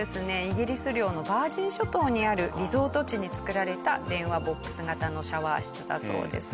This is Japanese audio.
イギリス領のバージン諸島にあるリゾート地に作られた電話ボックス型のシャワー室だそうです。